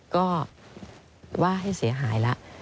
ก็ว่าให้เสียหายแล้ว